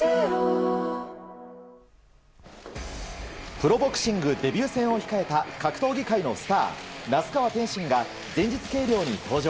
プロボクシングデビュー戦を控えた格闘技界のスター、那須川天心が前日計量に登場。